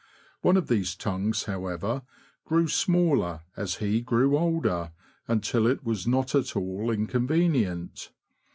One of these tongues however, " grew smaller as he grew older, until it was not at all inconvenient."